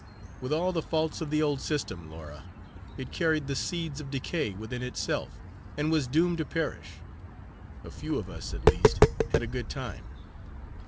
With all the faults of the old system, Laura it carried the seeds of decay within itself and was doomed to perish a few of us, at least, had a good time.